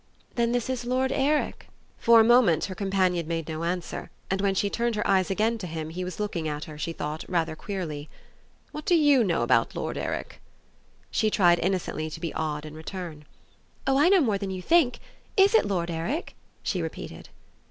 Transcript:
"Then is this Lord Eric?" For a moment her companion made no answer, and when she turned her eyes again to him he was looking at her, she thought, rather queerly. "What do you know about Lord Eric?" She tried innocently to be odd in return. "Oh I know more than you think! Is it Lord Eric?" she repeated.